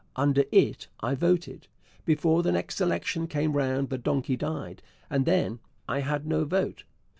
Under it I voted. Before the next election came round the donkey died, and then I had no vote....